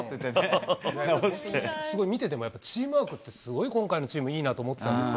すごい見てても、チームワークってすごい今回のチーム、いいなと思ってたんですよ。